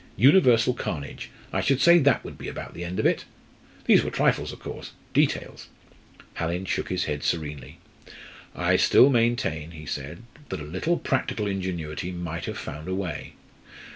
Universal carnage I should say that would be about the end of it.' These were trifles, of course details." Hallin shook his head serenely. "I still maintain," he said, "that a little practical ingenuity might have found a way."